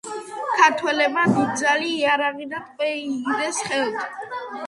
ქართველებმა დიდძალი იარაღი და ტყვე იგდეს ხელთ.